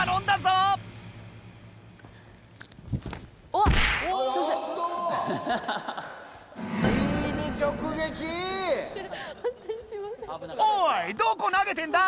おいどこ投げてんだ！